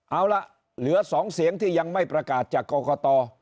เอาล่ะเหลือ๒เสียงที่ยังไม่ประกาศจากกรกต